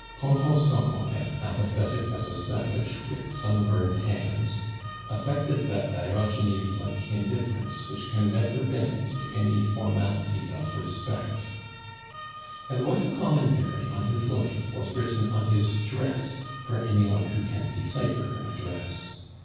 Contenson, as apathetic as a savage, with sunburned hands, affected that Diogenes like indifference which can never bend to any formality of respect. And what a commentary on his life was written on his dress for any one who can decipher a dress!